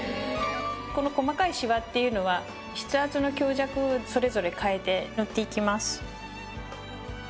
この細かいシワっていうのは筆圧の強弱をそれぞれ変えて塗っていきます。